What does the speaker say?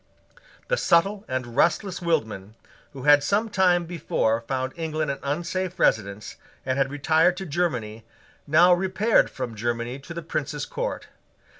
The subtle and restless Wildman, who had some time before found England an unsafe residence, and had retired to Germany, now repaired from Germany to the Prince's court.